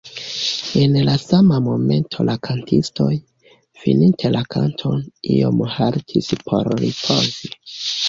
En la sama momento la kantistoj, fininte la kanton, iom haltis por ripozi.